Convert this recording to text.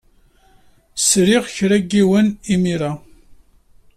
Sriɣ kra n yiwen imir-a.